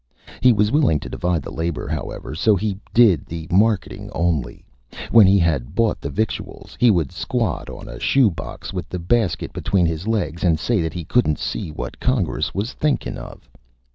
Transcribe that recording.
He was willing to divide the Labor, however; so he did the Marketing. Only, when he had bought the Victuals, he would squat on a Shoe Box with the Basket between his Legs and say that he couldn't see what Congress wuz thinkin' of.